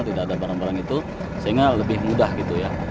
tidak ada barang barang itu sehingga lebih mudah gitu ya